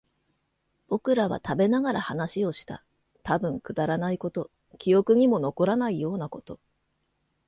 僕らは食べながら話をした。たぶんくだらないこと、記憶にも残らないようなこと。